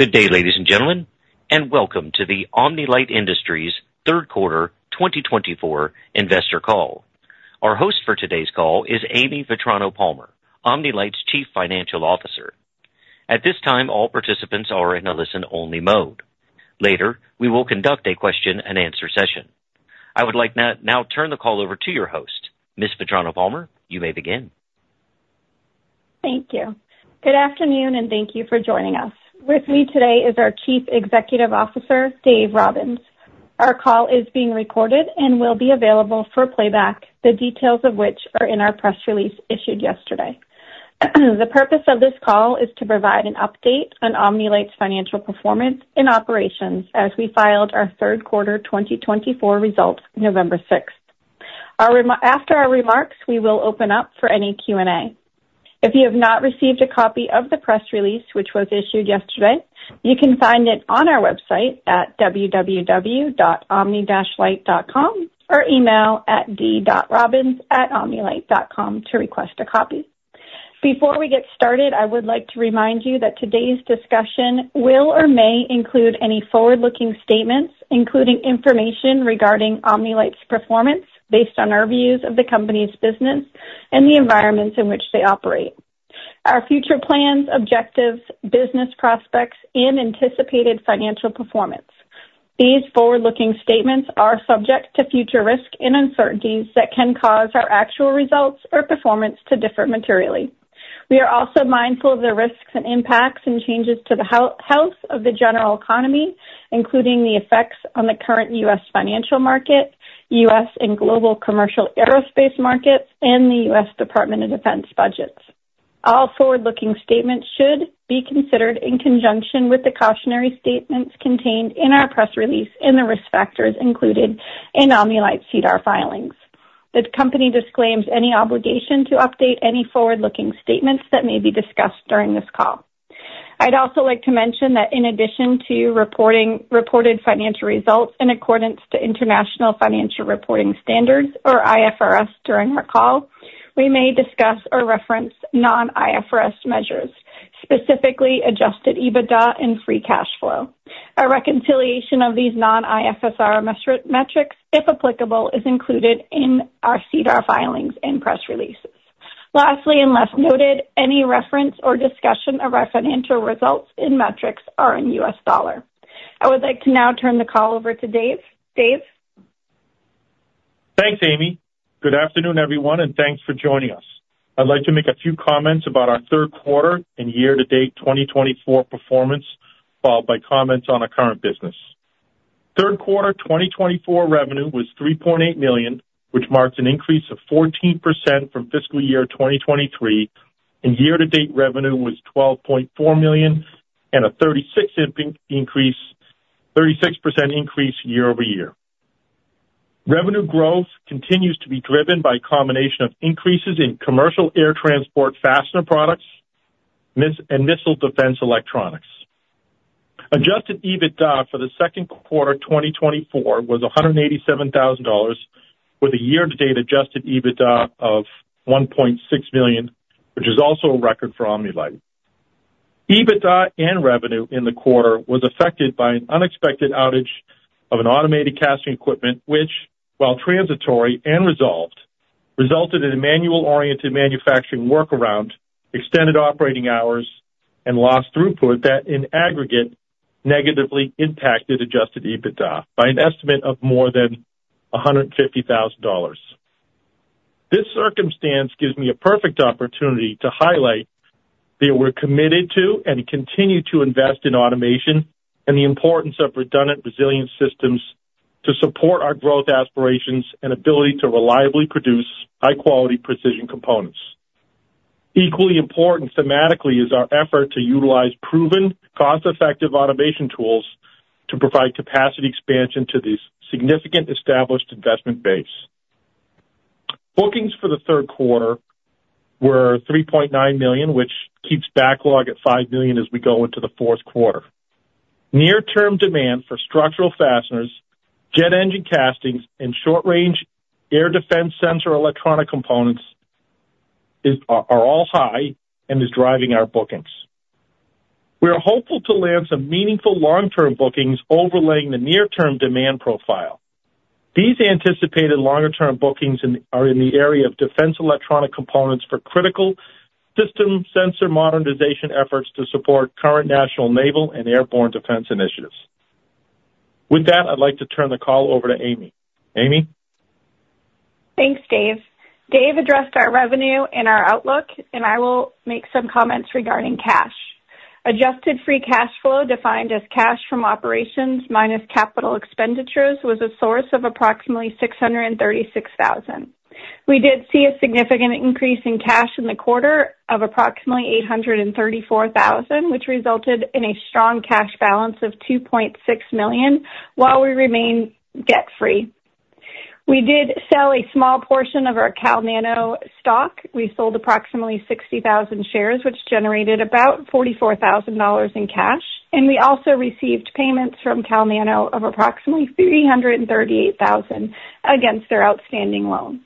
Good day, ladies and gentlemen, and welcome to the Omni-Lite Industries third quarter 2024 investor call. Our host for today's call is Amy Vetrano-Palmer, Omni-Lite's Chief Financial Officer. At this time, all participants are in a listen-only mode. Later, we will conduct a question-and-answer session. I would like to now turn the call over to your host, Ms. Vetrano-Palmer. You may begin. Thank you. Good afternoon, and thank you for joining us. With me today is our Chief Executive Officer, Dave Robbins. Our call is being recorded and will be available for playback, the details of which are in our press release issued yesterday. The purpose of this call is to provide an update on Omni-Lite's financial performance and operations as we filed our third quarter 2024 results November 6th. After our remarks, we will open up for any Q&A. If you have not received a copy of the press release, which was issued yesterday, you can find it on our website at www.omnilite.com or email at d.robbins@omnilite.com to request a copy. Before we get started, I would like to remind you that today's discussion will or may include any forward-looking statements, including information regarding Omni-Lite's performance based on our views of the company's business and the environments in which they operate, our future plans, objectives, business prospects, and anticipated financial performance. These forward-looking statements are subject to future risks and uncertainties that can cause our actual results or performance to differ materially. We are also mindful of the risks and impacts and changes to the health of the general economy, including the effects on the current U.S. financial market, U.S. and global commercial aerospace markets, and the U.S. Department of Defense budgets. All forward-looking statements should be considered in conjunction with the cautionary statements contained in our press release and the risk factors included in Omni-Lite's SEDAR filings. The company disclaims any obligation to update any forward-looking statements that may be discussed during this call. I'd also like to mention that in addition to reporting financial results in accordance to International Financial Reporting Standards, or IFRS, during our call, we may discuss or reference non-IFRS measures, specifically adjusted EBITDA and free cash flow. A reconciliation of these non-IFRS metrics, if applicable, is included in our SEDAR filings and press releases. Lastly, and last noted, any reference or discussion of our financial results and metrics are in U.S. dollars. I would like to now turn the call over to Dave. Dave? Thanks, Amy. Good afternoon, everyone, and thanks for joining us. I'd like to make a few comments about our third quarter and year-to-date 2024 performance, followed by comments on our current business. Third quarter 2024 revenue was $3.8 million, which marks an increase of 14% from fiscal year 2023, and year-to-date revenue was $12.4 million and a 36% increase year over year. Revenue growth continues to be driven by a combination of increases in commercial air transport fastener products and missile defense electronics. Adjusted EBITDA for the second quarter 2024 was $187,000, with a year-to-date adjusted EBITDA of $1.6 million, which is also a record for Omni-Lite. EBITDA and revenue in the quarter were affected by an unexpected outage of an automated casting equipment, which, while transitory and resolved, resulted in manual-oriented manufacturing workaround, extended operating hours, and lost throughput that, in aggregate, negatively impacted adjusted EBITDA by an estimate of more than $150,000. This circumstance gives me a perfect opportunity to highlight that we're committed to and continue to invest in automation and the importance of redundant resilient systems to support our growth aspirations and ability to reliably produce high-quality, precision components. Equally important thematically is our effort to utilize proven, cost-effective automation tools to provide capacity expansion to this significant established investment base. Bookings for the third quarter were $3.9 million, which keeps backlog at $5 million as we go into the fourth quarter. Near-term demand for structural fasteners, jet engine castings, and short-range air defense sensor electronic components is all high and is driving our bookings. We are hopeful to land some meaningful long-term bookings overlaying the near-term demand profile. These anticipated longer-term bookings are in the area of defense electronic components for critical system sensor modernization efforts to support current national naval and airborne defense initiatives. With that, I'd like to turn the call over to Amy. Amy? Thanks, Dave. Dave addressed our revenue and our outlook, and I will make some comments regarding cash. Adjusted free cash flow, defined as cash from operations minus capital expenditures, was a source of approximately $636,000. We did see a significant increase in cash in the quarter of approximately $834,000, which resulted in a strong cash balance of $2.6 million, while we remained debt-free. We did sell a small portion of our CalNano stock. We sold approximately 60,000 shares, which generated about $44,000 in cash, and we also received payments from CalNano of approximately $338,000 against their outstanding loan.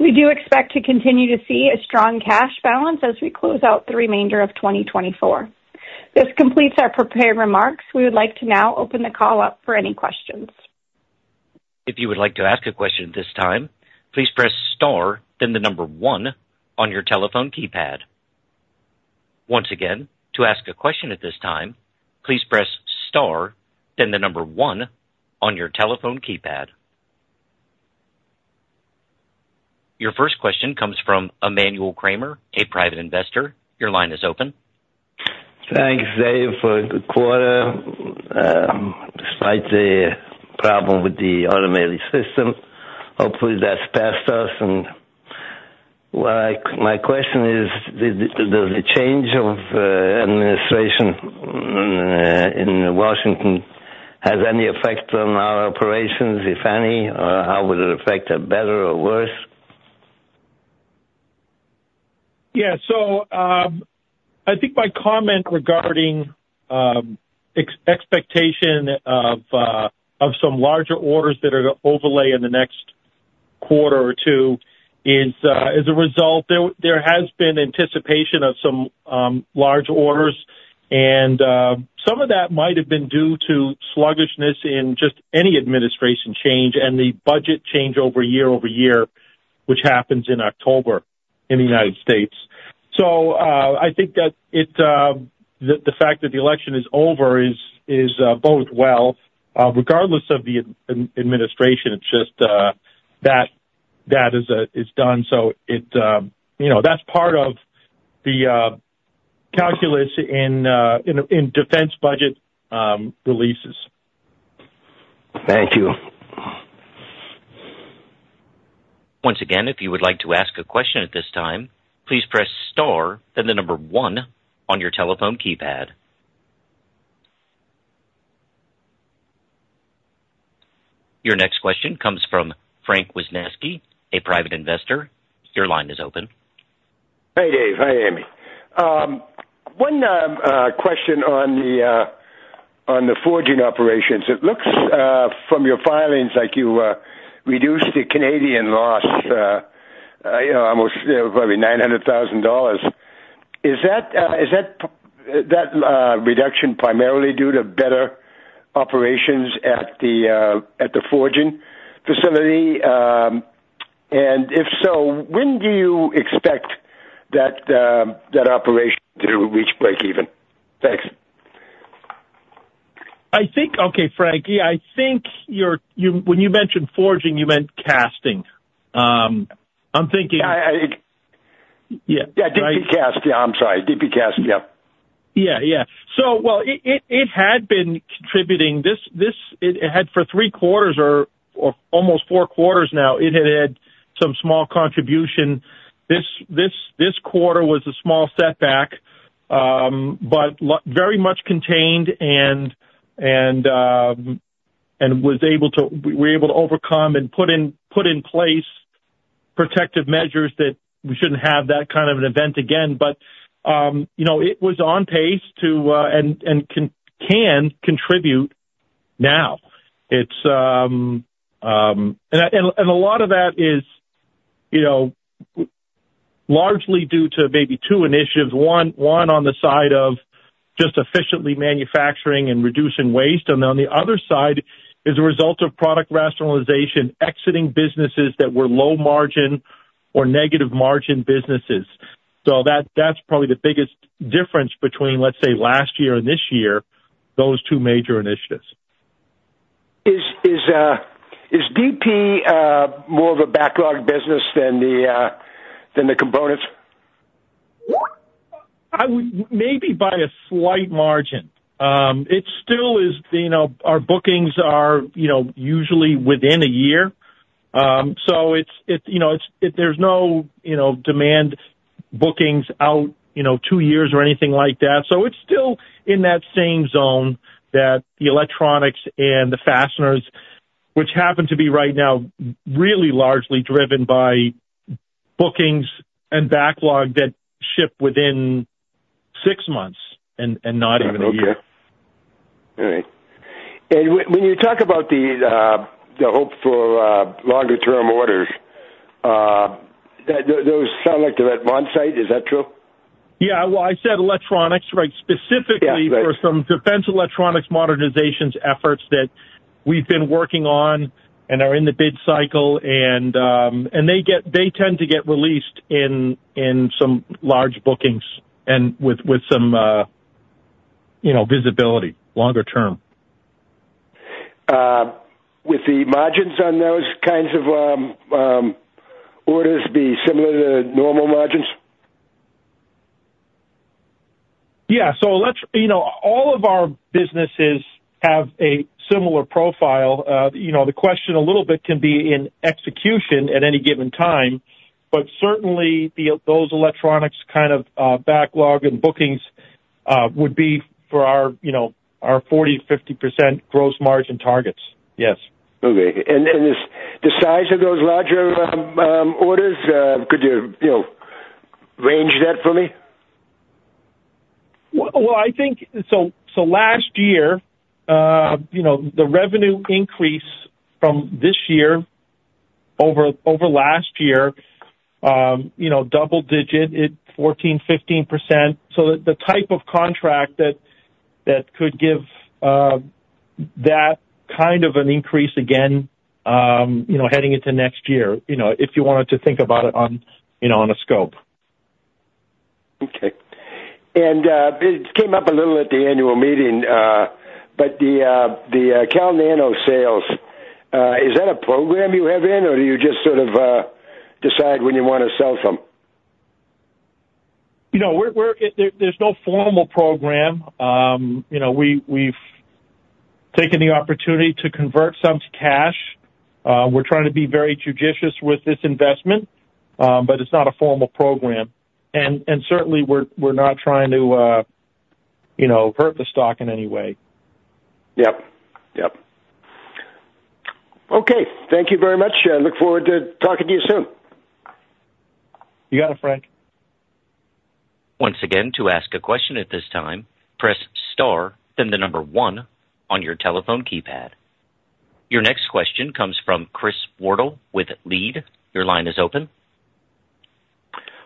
We do expect to continue to see a strong cash balance as we close out the remainder of 2024. This completes our prepared remarks. We would like to now open the call up for any questions. If you would like to ask a question at this time, please press Star, then the number 1 on your telephone keypad. Once again, to ask a question at this time, please press Star, then the number 1 on your telephone keypad. Your first question comes from Emmanuel Kramer, a private investor. Your line is open. Thanks, Dave. For the quarter, despite the problem with the automated system, hopefully that's passed us. My question is, does the change of administration in Washington have any effect on our operations, if any? Or how would it affect it, better or worse? Yeah, so I think my comment regarding expectation of some larger orders that are overlay in the next quarter or two is, as a result, there has been anticipation of some large orders, and some of that might have been due to sluggishness in just any administration change and the budget change over year over year, which happens in October in the United States, so I think that the fact that the election is over is both well. Regardless of the administration, it's just that is done, so that's part of the calculus in defense budget releases. Thank you. Once again, if you would like to ask a question at this time, please press Star, then the number 1 on your telephone keypad. Your next question comes from Frank Wisneski, a private investor. Your line is open. Hey, Dave. Hi, Amy. One question on the casting operations. It looks, from your filings, like you reduced the Canadian loss almost probably $900,000. Is that reduction primarily due to better operations at the casting facility? And if so, when do you expect that operation to reach break-even? Thanks. Okay, Frank. Yeah, I think when you mentioned forging, you meant casting. I'm thinking. Yeah. Yeah. DP Cast. Yeah. I'm sorry. DP Cast. Yeah. Yeah. Yeah. So, well, it had been contributing. It had, for three quarters or almost four quarters now, it had had some small contribution. This quarter was a small setback, but very much contained, and we were able to overcome and put in place protective measures that we shouldn't have that kind of an event again. But it was on pace to and can contribute now. And a lot of that is largely due to maybe two initiatives. One on the side of just efficiently manufacturing and reducing waste. And on the other side is a result of product rationalization, exiting businesses that were low-margin or negative-margin businesses. So that's probably the biggest difference between, let's say, last year and this year, those two major initiatives. Is DP more of a backlog business than the components? Maybe by a slight margin. It still is. Our bookings are usually within a year. So there's no demand bookings out two years or anything like that. So it's still in that same zone that the electronics and the fasteners, which happen to be right now really largely driven by bookings and backlog that ship within six months and not even a year. Okay. All right. And when you talk about the hope for longer-term orders, those sound like they're at one site. Is that true? Yeah, well, I said electronics, right, specifically for some defense electronics modernizations efforts that we've been working on and are in the bid cycle, and they tend to get released in some large bookings and with some visibility longer term. Will the margins on those kinds of orders be similar to normal margins? Yeah. So all of our businesses have a similar profile. The question a little bit can be in execution at any given time, but certainly those electronics kind of backlog and bookings would be for our 40%-50% gross margin targets. Yes. Okay, and the size of those larger orders, could you range that for me? I think so last year, the revenue increase from this year over last year, double-digit, 14%-15%. The type of contract that could give that kind of an increase again heading into next year, if you wanted to think about it on a scope. Okay, and it came up a little at the annual meeting, but the CalNano sales, is that a program you have in, or do you just sort of decide when you want to sell some? No. There's no formal program. We've taken the opportunity to convert some to cash. We're trying to be very judicious with this investment, but it's not a formal program, and certainly, we're not trying to hurt the stock in any way. Yep. Yep. Okay. Thank you very much. I look forward to talking to you soon. You got it, Frank. Once again, to ask a question at this time, press Star, then the number 1 on your telephone keypad. Your next question comes from Chris Wardle with Leede. Your line is open.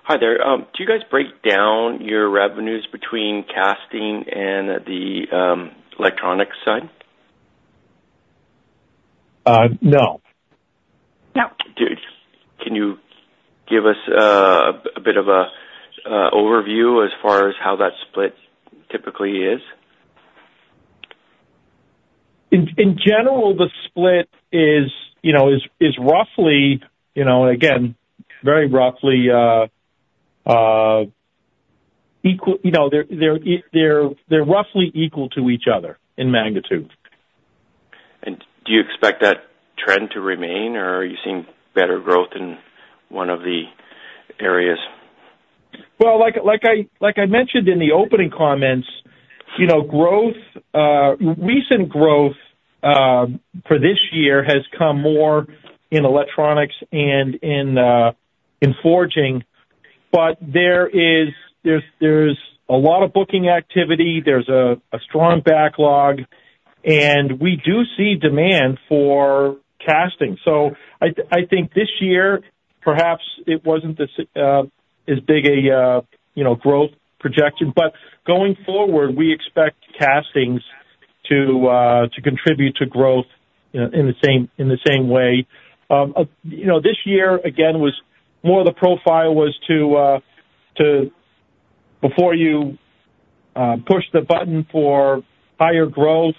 Hi there. Do you guys break down your revenues between casting and the electronics side? No. Can you give us a bit of an overview as far as how that split typically is? In general, the split is roughly, again, very roughly equal. They're roughly equal to each other in magnitude. Do you expect that trend to remain, or are you seeing better growth in one of the areas? Like I mentioned in the opening comments, recent growth for this year has come more in electronics and in forging. But there's a lot of booking activity. There's a strong backlog, and we do see demand for casting. So I think this year, perhaps it wasn't as big a growth projection. But going forward, we expect castings to contribute to growth in the same way. This year, again, more of the profile was to, before you push the button for higher growth,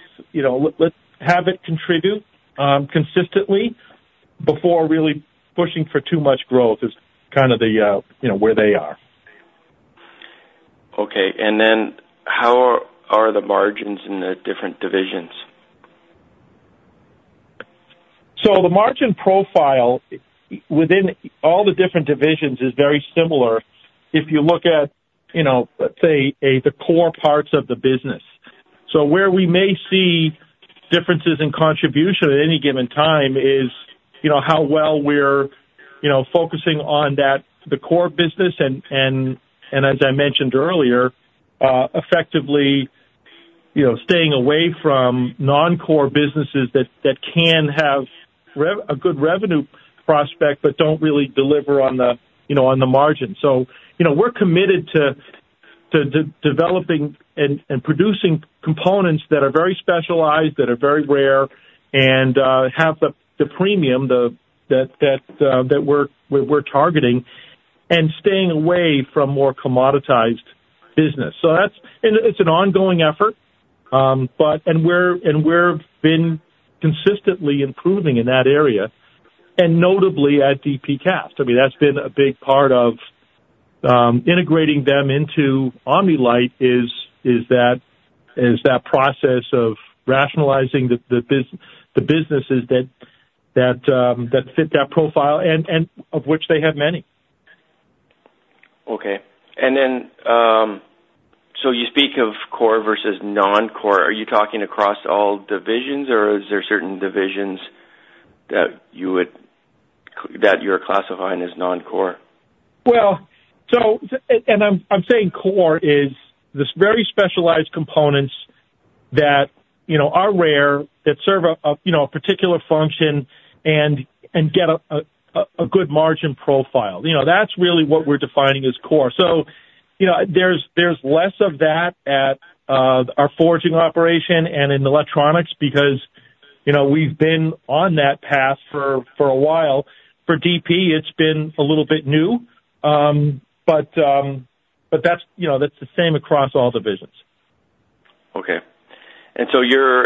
let's have it contribute consistently before really pushing for too much growth is kind of where they are. Okay. And then how are the margins in the different divisions? So the margin profile within all the different divisions is very similar if you look at, let's say, the core parts of the business. So where we may see differences in contribution at any given time is how well we're focusing on the core business. And as I mentioned earlier, effectively staying away from non-core businesses that can have a good revenue prospect but don't really deliver on the margin. So we're committed to developing and producing components that are very specialized, that are very rare, and have the premium that we're targeting, and staying away from more commoditized business. So it's an ongoing effort, and we've been consistently improving in that area, and notably at DP Cast. I mean, that's been a big part of integrating them into Omni-Lite is that process of rationalizing the businesses that fit that profile, and of which they have many. Okay. And then so you speak of core versus non-core. Are you talking across all divisions, or is there certain divisions that you're classifying as non-core? I'm saying core is the very specialized components that are rare, that serve a particular function, and get a good margin profile. That's really what we're defining as core. There's less of that at our forging operation and in electronics because we've been on that path for a while. For DP, it's been a little bit new, but that's the same across all divisions. Okay. And so you're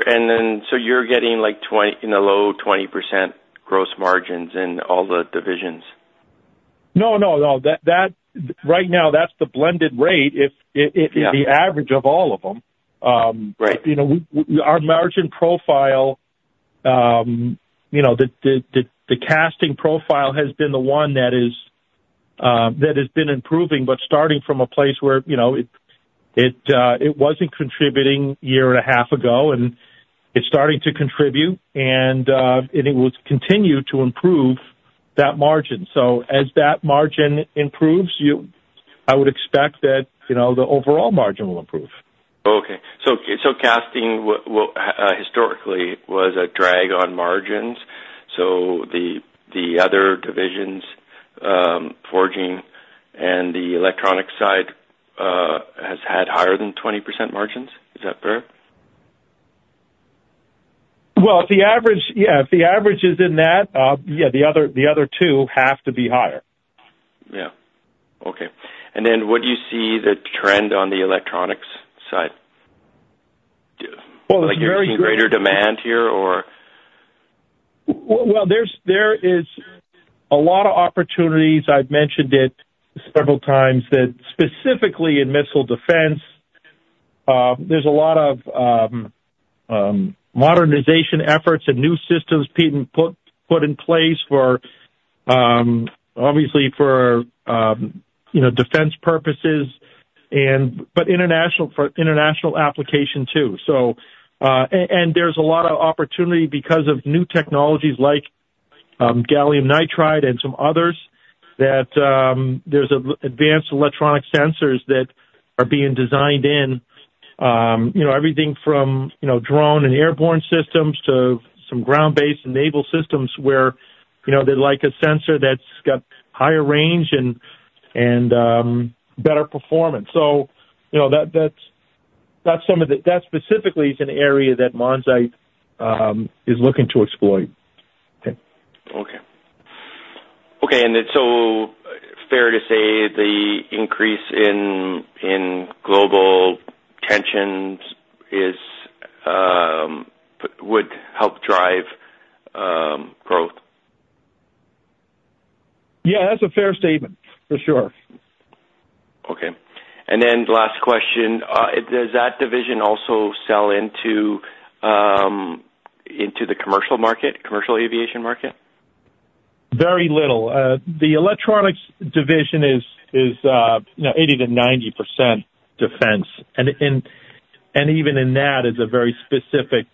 getting in the low 20% gross margins in all the divisions? No, no, no. Right now, that's the blended rate, the average of all of them. Our margin profile, the casting profile has been the one that has been improving, but starting from a place where it wasn't contributing a year and a half ago, and it's starting to contribute, and it will continue to improve that margin. So as that margin improves, I would expect that the overall margin will improve. Okay, so casting historically was a drag on margins, so the other divisions, forging and the electronics side, has had higher than 20% margins. Is that fair? If the average is in that, the other two have to be higher. Yeah. Okay. And then what do you see the trend on the electronics side? Like you're seeing greater demand here, or? There is a lot of opportunities. I've mentioned it several times that specifically in missile defense, there's a lot of modernization efforts and new systems being put in place, obviously for defense purposes, but international application too. And there's a lot of opportunity because of new technologies like gallium nitride and some others that there's advanced electronic sensors that are being designed in everything from drones and airborne systems to some ground-based naval systems where they'd like a sensor that's got higher range and better performance. So that's some of the. That specifically is an area that Monzite is looking to exploit. Okay. Okay. And so fair to say the increase in global tensions would help drive growth? Yeah. That's a fair statement, for sure. Okay. And then last question. Does that division also sell into the commercial market, commercial aviation market? Very little. The electronics division is 80%-90% defense, and even in that, it's a very specific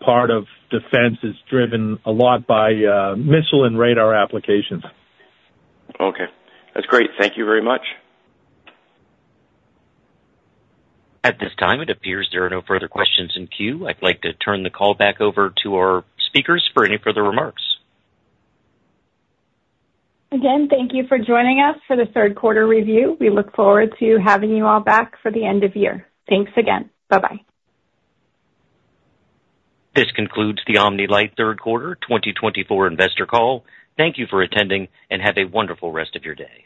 part of defense that's driven a lot by missile and radar applications. Okay. That's great. Thank you very much. At this time, it appears there are no further questions in queue. I'd like to turn the call back over to our speakers for any further remarks. Again, thank you for joining us for the third quarter review. We look forward to having you all back for the end of year. Thanks again. Bye-bye. This concludes the Omni-Lite third quarter 2024 investor call. Thank you for attending and have a wonderful rest of your day.